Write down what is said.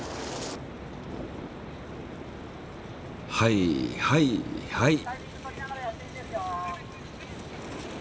はいはいはい。